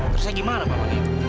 terus saya gimana pak